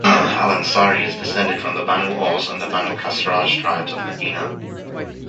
Al Ansari is descended from the Banu Aws and Banu Khazraj tribes of Medina.